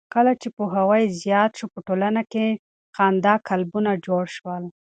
کله چې پوهاوی زیات شو، په ټوله نړۍ کې خندا کلبونه جوړ شول.